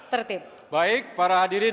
tertib baik para hadirin